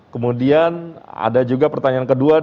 kemudian ada juga pertanyaan kedua